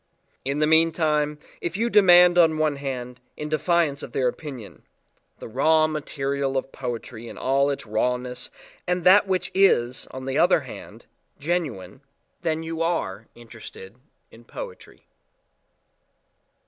In the meantime, if you demand on one hand, in defiance of their opinion the raw material of poetry in all its rawness and that which is, on the other hand, genuine then you are interested in poetry.